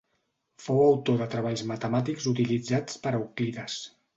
Fou autor de treballs matemàtics utilitzats per Euclides.